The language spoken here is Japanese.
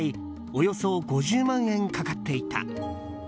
およそ５０万円かかっていた。